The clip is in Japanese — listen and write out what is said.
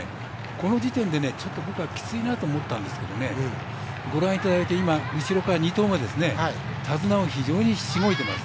この時点で、ちょっと僕はきついなと思ったんですけどご覧いただいて、後ろから２頭目手綱を非常にしごいています。